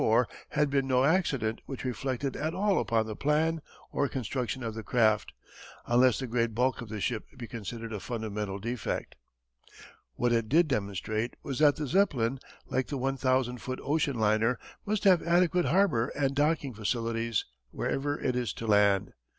had been no accident which reflected at all upon the plan or construction of the craft unless the great bulk of the ship be considered a fundamental defect. What it did demonstrate was that the Zeppelin, like the one thousand foot ocean liner, must have adequate harbour and docking facilities wherever it is to land.